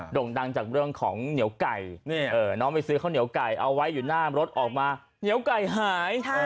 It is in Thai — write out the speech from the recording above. ่งดังจากเรื่องของเหนียวไก่น้องไปซื้อข้าวเหนียวไก่เอาไว้อยู่หน้ารถออกมาเหนียวไก่หาย